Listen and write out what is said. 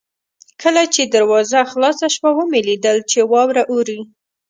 کله چې دروازه خلاصه شوه ومې لیدل چې واوره اورې.